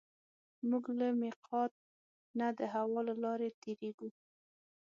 موږ له مېقات نه د هوا له لارې تېرېږو.